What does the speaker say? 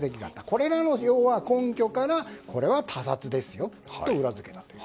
これらの根拠からこれは他殺ですよと裏付けた。